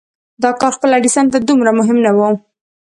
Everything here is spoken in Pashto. دا کار خپله ايډېسن ته دومره مهم نه و.